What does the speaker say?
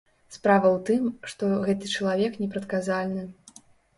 Справа ў тым, што гэты чалавек непрадказальны.